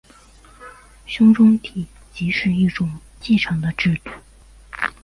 兄终弟及是一种继承的制度。